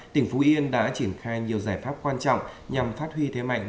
tỉnh phú yên đã triển khai nhiều giải pháp quan trọng nhằm phát huy thế mạnh